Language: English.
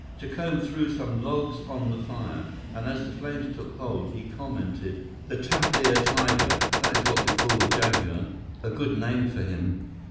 Jacome threw some logs on the fire, and as the flames took hold, he commented: "The tapir tiger—that is what we call the jaguar. A good name for him.